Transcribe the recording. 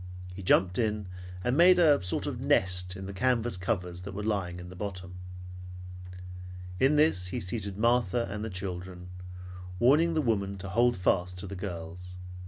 He jumped in, and made a sort of nest in the canvas covers that were lying in the bottom. In this he seated Martha and the children, warning the woman to hold fast to the girls.